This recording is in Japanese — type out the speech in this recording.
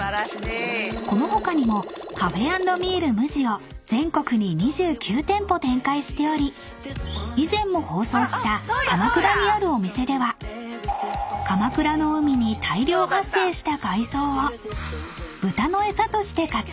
［この他にもＣａｆｅ＆ＭｅａｌＭＵＪＩを全国に２９店舗展開しており以前も放送した鎌倉にあるお店では鎌倉の海に大量発生した海藻を豚の餌として活用］